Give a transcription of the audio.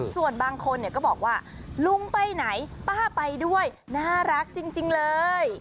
ส่วนบางคนก็บอกว่าลุงไปไหนป้าไปด้วยน่ารักจริงเลย